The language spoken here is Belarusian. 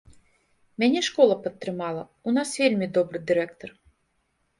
Мяне школа падтрымала, у нас вельмі добры дырэктар.